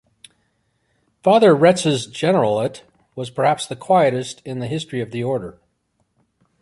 Father Retz's generalate was perhaps the quietest in the history of the order.